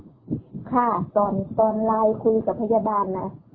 ตอนแมาคตอนค่อยไลน์คุยกับพยาบาล